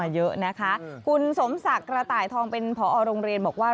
เยอะนะคะคุณสมศักดิ์กระต่ายทองเป็นผอโรงเรียนบอกว่า